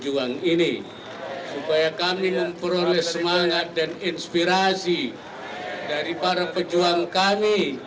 di hujung juang ini supaya kami memperoleh semangat dan inspirasi dari para pejuang kami